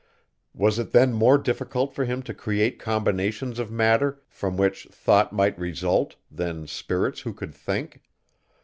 Was it then more difficult for him to create combinations of matter, from which thought might result, than spirits who could think?